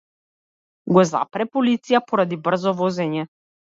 Го запре полиција поради брзо возење.